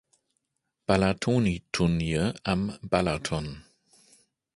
Balatoni-Turnier" am Balaton.